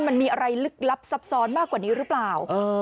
มันมีอะไรลึกลับซับซ้อนมากกว่านี้หรือเปล่า